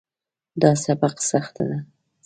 دا سبق سخت ده